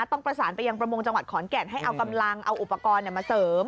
ต้องประสานไปยังประมงจังหวัดขอนแก่นให้เอากำลังเอาอุปกรณ์มาเสริม